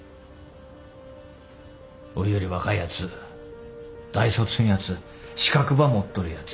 おいより若いやつ大卒のやつ資格ば持っとるやつ。